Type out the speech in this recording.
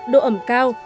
độ ẩm cao